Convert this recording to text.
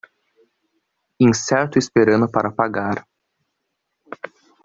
Incerto esperando para pagar